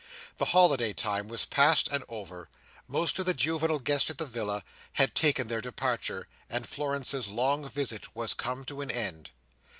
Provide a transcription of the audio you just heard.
The holiday time was past and over; most of the juvenile guests at the villa had taken their departure; and Florence's long visit was come to an end.